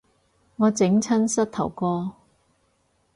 我整親膝頭哥